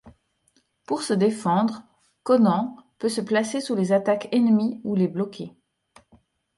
Pour se défendre, Conan peut se placer sous les attaques ennemies ou les bloquer.